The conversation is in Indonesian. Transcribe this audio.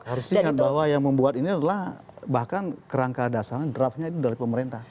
harus diingat bahwa yang membuat ini adalah bahkan kerangka dasarnya draftnya itu dari pemerintah